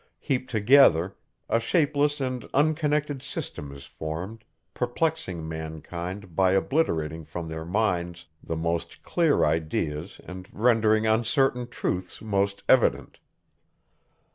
heaped together, a shapeless and unconnected system is formed, perplexing mankind, by obliterating from their minds, the most clear ideas and rendering uncertain truths most evident.